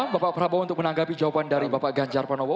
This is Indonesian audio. bapak prabowo untuk menanggapi jawaban dari bapak ganjar panowo